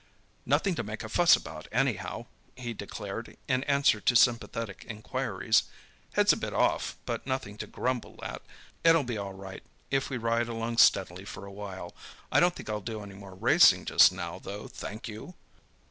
"Nothing to make a fuss about, anyhow," he declared, in answer to sympathetic inquiries. "Head's a bit 'off,' but nothing to grumble at. It'll be all right, if we ride along steadily for a while. I don't think I'll do any more racing just now though, thank you!"